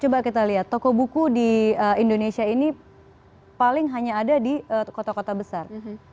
coba kita lihat toko buku di indonesia ini paling hanya ada di kota kota besar